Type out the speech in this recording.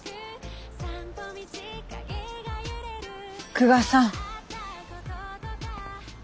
久我さん。